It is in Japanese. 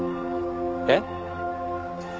えっ？